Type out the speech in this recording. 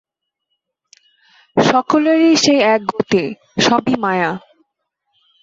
সকলেরই সেই এক গতি, সবই মায়া।